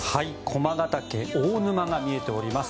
駒ヶ岳大沼が見えております。